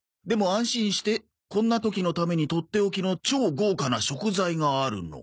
安心してこんな時のためにとっておきの超豪華な食材があるの」